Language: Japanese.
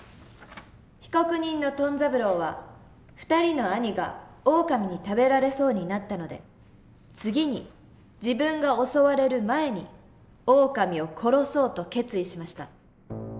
「被告人のトン三郎は２人の兄がオオカミに食べられそうになったので次に自分が襲われる前にオオカミを殺そうと決意しました。